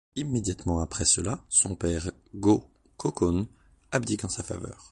Immédiatement après cela, son père Go-Kōgon abdique en sa faveur.